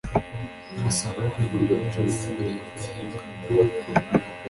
asaba allah ko byacamo ubundi agahebwa nkuko